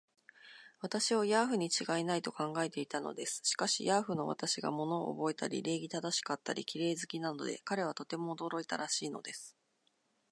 私をヤーフにちがいない、と考えていたのです。しかし、ヤーフの私が物をおぼえたり、礼儀正しかったり、綺麗好きなので、彼はとても驚いたらしいのです。